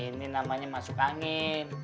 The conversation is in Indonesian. ini namanya masuk angin